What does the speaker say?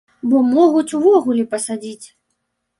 Бо могуць увогуле пасадзіць.